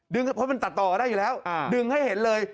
เพราะมันตัดต่อได้อยู่แล้วดึงให้เห็นเลย